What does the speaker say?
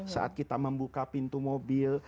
saat kita membuka pintu mobil